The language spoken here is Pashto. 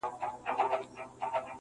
جنون مو مبارک سه زولنې دي چي راځي-